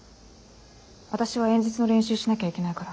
私は演説の練習しなきゃいけないから。